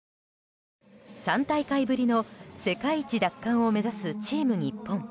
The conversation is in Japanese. ３大会ぶりの世界一奪還を目指すチーム日本。